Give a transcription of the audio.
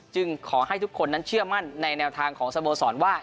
ขอให้ทุกคนนั้นเชื่อมั่นในแนวทางของสโมสรว่า